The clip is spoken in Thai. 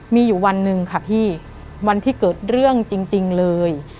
มีอยู่วันหนึ่งค่ะพี่วันที่เกิดเรื่องจริงเลย